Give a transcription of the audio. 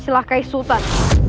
kalo mencelakai sultan